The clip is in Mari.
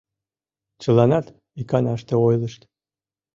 Чыланат иканаште ойлышт.